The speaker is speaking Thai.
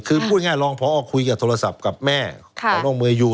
คือพูดง่ายรองพอคุยกับโทรศัพท์กับแม่ของน้องเมยู